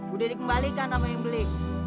udah dikembalikan sama yang beli